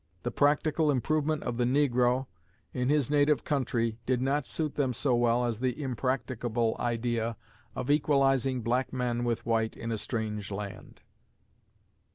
The practical improvement of the negro, in his native country, did not suit them so well as the impracticable idea of equalizing black men with white in a strange land.